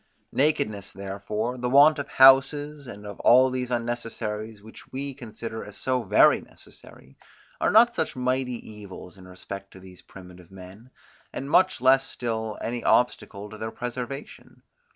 Nakedness therefore, the want of houses, and of all these unnecessaries, which we consider as so very necessary, are not such mighty evils in respect to these primitive men, and much less still any obstacle to their preservation.